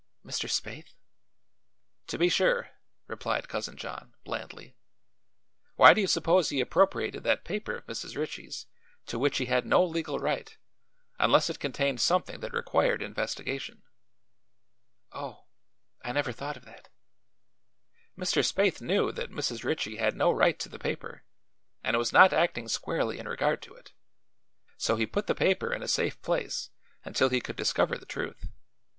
"Mr. Spaythe?" "To be sure," replied Cousin John blandly. "Why do you suppose he appropriated that paper of Mrs. Ritchie's, to which he had no legal right, unless it contained something that required investigation?" "Oh; I never thought of that." "Mr. Spaythe knew that Mrs. Ritchie had no right to the paper, and was not acting squarely in regard to it. So he put the paper in a safe place until he could discover the truth.